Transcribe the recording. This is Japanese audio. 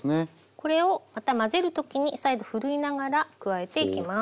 これをまた混ぜる時に再度ふるいながら加えていきます。